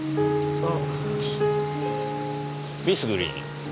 ああ？